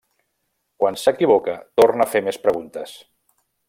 Quan s'equivoca torna a fer més preguntes.